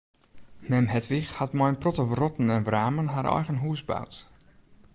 Mem Hedwig hat mei in protte wrotten en wramen har eigen hûs boud.